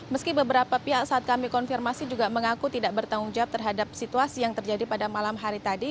meski beberapa pihak saat kami konfirmasi juga mengaku tidak bertanggung jawab terhadap situasi yang terjadi pada malam hari tadi